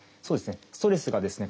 ストレスがですね